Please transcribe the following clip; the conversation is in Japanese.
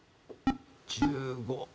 １５。